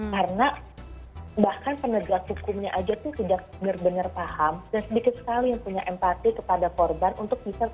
karena bahkan penegak hukumnya aja tuh sudah benar benar paham dan sedikit sekali yang punya empati kepada korban untuk bisa